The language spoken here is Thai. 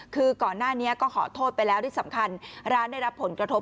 คือก่อนหน้านี้ก็ขอโทษไปแล้วที่สำคัญร้านได้รับผลกระทบ